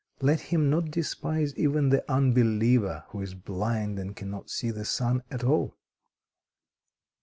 Let him not despise even the unbeliever who is blind and cannot see the sun at all."